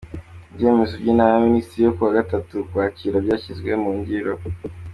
Ibyemezo by’Inama y’Abaminisitiri yo ku ya gatatu ukwakira byashyizwe mungiro